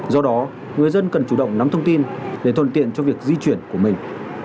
do đó người dân cần chủ động nắm thông tin để thuận tiện cho việc di chuyển của mình